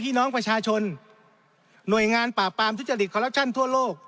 พี่น้องประชาชนหน่วยงานปราบปรามทุจริตคอรัปชั่นทั่วโลก